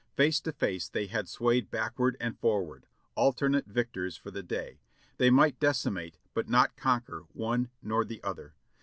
Face to face they had swayed backward and forward, alternate victors for the day ; they might decimate, but not conquer one nor the other.